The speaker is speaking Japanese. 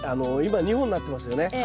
今２本になってますよね。